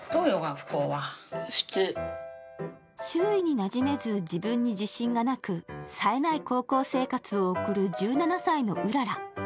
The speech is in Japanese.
周囲になじめず、自分に自信がなく、冴えない高校生活を送る１７歳のうらら。